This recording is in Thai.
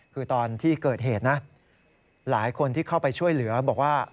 คือตอนที่เกิดเหตุนะหลายคนที่เข้าไปช่วยเหลือบอกว่า